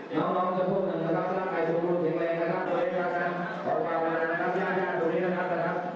น้องน้องจะพูดหนึ่งนะครับร่างกายสูงรุ่นเสียงแรงนะครับ